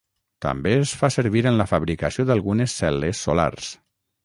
També es fa servir en la fabricació d'algunes cel·les solars.